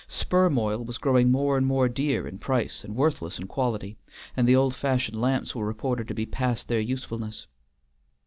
Sperm oil was growing more and more dear in price and worthless in quality, and the old fashioned lamps were reported to be past their usefulness.